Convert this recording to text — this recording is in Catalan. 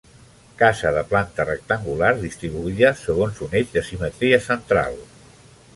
Casa de planta rectangular, distribuïda segons un eix de simetria central.